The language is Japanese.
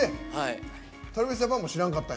ＴｒａｖｉｓＪａｐａｎも知らなかった？